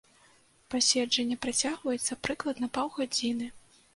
Паседжанне працягваецца прыкладна паўгадзіны.